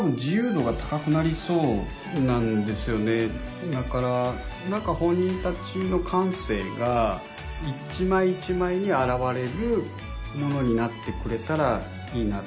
もう本当に多分本人たちの感性が１枚１枚に表れるものになってくれたらいいなって。